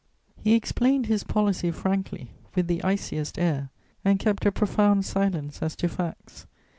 He explained his policy frankly, with the iciest air, and kept a profound silence as to facts.